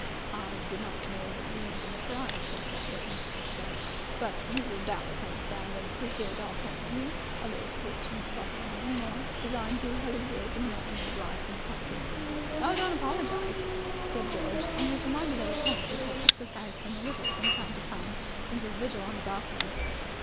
"I did not know that you 'ad been apprised of that little matter, sir. But you will doubtless understand and appreciate our point of view. A little sporting flutter nothing more designed to halleviate the monotony of life in the country." "Oh, don't apologize," said George, and was reminded of a point which had exercised him a little from time to time since his vigil on the balcony.